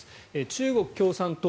中国共産党